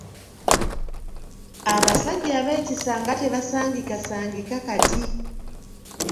Abasajja ab’ekisa nga tebasangikasangika kati!